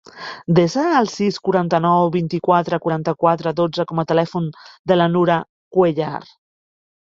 Desa el sis, quaranta-nou, vint-i-quatre, quaranta-quatre, dotze com a telèfon de la Nura Cuellar.